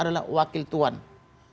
adalah weiter ini